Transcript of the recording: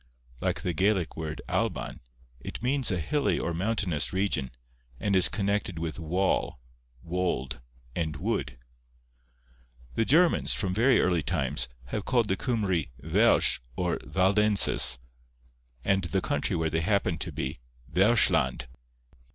Like the Gaelic word Alban, it means a hilly or mountainous region, and is connected with wall, wold, and wood. The Germans, from very early times, have called the Cymry Welsh or Waldenses, and the country where they happened to be, Welschland.